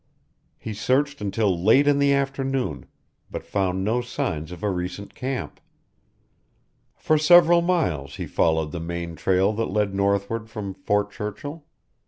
He searched until late in the afternoon, but found no signs of a recent camp. For several miles he followed the main trail that led northward from Fort Churchill.